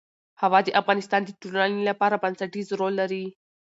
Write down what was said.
هوا د افغانستان د ټولنې لپاره بنسټيز رول لري.